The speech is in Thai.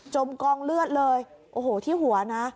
กองเลือดเลยโอ้โหที่หัวนะ